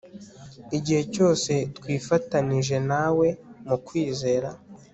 Igihe cyose twifatanije na we mu kwizera